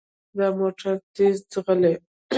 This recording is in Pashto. دا موټر تیز ځغلي.